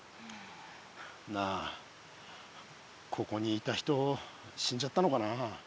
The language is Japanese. なあここにいた人死んじゃったのかな。